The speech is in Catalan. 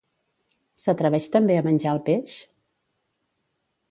S'atreveix també a menjar el peix?